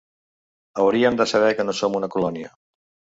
Haurien de saber que no som una colònia.